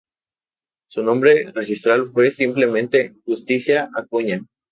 Su nombre registral fue, simplemente, Justicia Acuña.